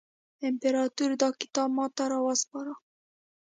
امپراطور دا کتاب ماته را وسپاره.